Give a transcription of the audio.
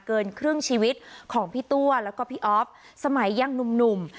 เกินครึ่งชีวิตของพี่ตัวแล้วก็พี่อ๊อฟสมัยยังหนุ่ม